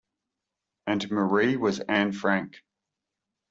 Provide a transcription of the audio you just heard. And Marie was Anne Frank.